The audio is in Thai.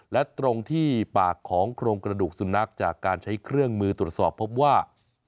และตรงที่ปากของโครงกระดูกสุนัขจากการใช้เครื่องมือตรวจสอบพบว่า